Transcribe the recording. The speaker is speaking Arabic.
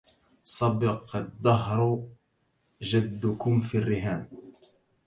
سبق الدهر جدكم في الرهان